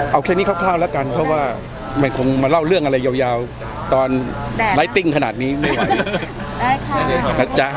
เอาแค่นี้คร่าวแล้วกันเพราะว่ามันคงมาเล่าเรื่องอะไรยาวตอนไมคติ้งขนาดนี้ไม่ไหวนะจ๊ะ